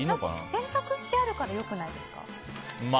洗濯してあるからよくないですか？